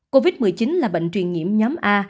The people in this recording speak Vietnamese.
covid một mươi chín là bệnh truyền nhiễm nhóm a